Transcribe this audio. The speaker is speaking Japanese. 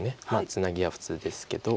ツナギは普通ですけど。